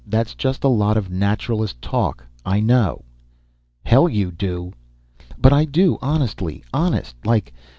"That's just a lot of Naturalist talk. I know." "Hell you do." "But I do, honey! Honest, like!